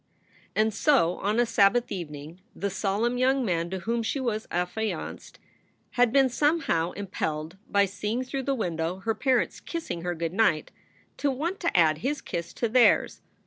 And so on a Sabbath evening the solemn young man to whom she was affianced had been somehow impelled, by seeing through the window her parents kissing her good night, to want to add his kiss to theirs.